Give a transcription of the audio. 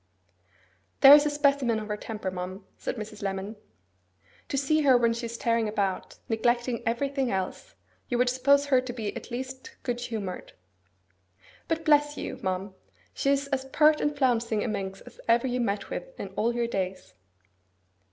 'There is a specimen of her temper, ma'am,' said Mrs. Lemon. 'To see her when she is tearing about, neglecting everything else, you would suppose her to be at least good humoured. But bless you! ma'am, she is as pert and flouncing a minx as ever you met with in all your days!